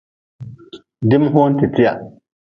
Dim-hoonte-tia.